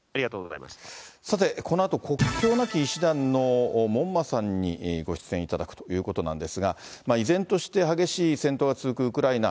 さてこのあと、国境なき医師団の門馬さんにご出演いただくということなんですが、依然として、激しい戦闘が続くウクライナ。